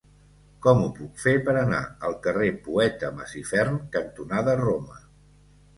Com ho puc fer per anar al carrer Poeta Masifern cantonada Roma?